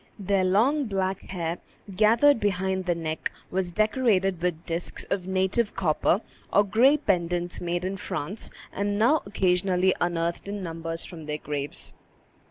Their long black hair, gathered behind the neck, was decorated with disks of native copper, or gay pendants made in France, and now occasionally unearthed in numbers from their graves.